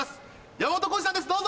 山本浩司さんですどうぞ！